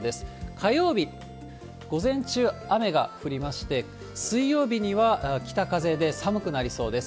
火曜日、午前中雨が降りまして、水曜日には北風で寒くなりそうです。